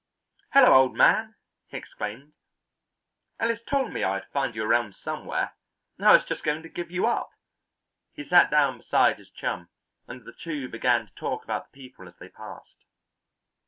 "Hello, old man!" he exclaimed. "Ellis told me I would find you around somewhere. I was just going to give you up." He sat down beside his chum, and the two began to talk about the people as they passed.